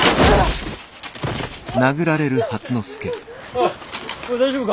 おい大丈夫か。